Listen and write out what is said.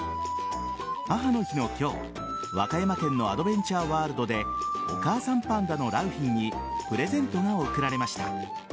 母の日の今日、和歌山県のアドベンチャーワールドでお母さんパンダの良浜にプレゼントが贈られました。